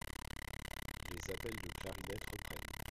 Les appels de clarinette reprennent.